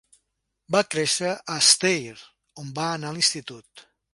Va créixer a Steyr, on va anar a l'institut.